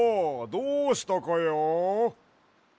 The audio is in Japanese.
どうしたかや？